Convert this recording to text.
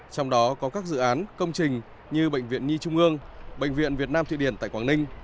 trong đó có các dự án công trình như bệnh viện nhi trung ương bệnh viện việt nam thụy điển tại quảng ninh